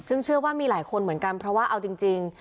ซึ่งเชื่อว่ามีหลายคนเหมือนกันเพราะว่าเอาจริง